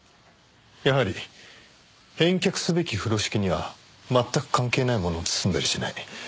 やはり返却すべき風呂敷には全く関係ないものを包んだりしない。